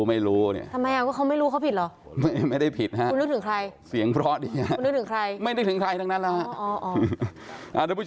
ทำไมคงไม่รู้เขาผิดเหรอ